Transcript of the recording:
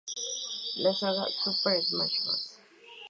La saga "Super Smash Bros.